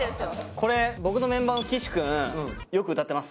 これ僕のメンバーの岸君よく歌ってます。